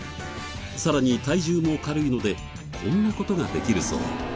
さらに体重も軽いのでこんな事ができるそう。